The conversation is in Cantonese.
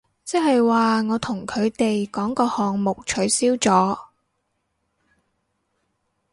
即係話我同佢哋講個項目取消咗